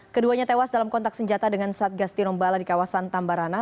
keduanya tewas dalam kontak senjata dengan satgas tinombala di kawasan tambarana